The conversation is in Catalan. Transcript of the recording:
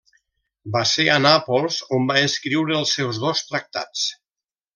Va ser a Nàpols on va escriure els seus dos tractats.